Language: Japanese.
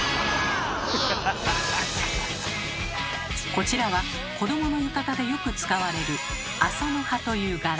こちらは子どもの浴衣でよく使われる「麻の葉」という柄。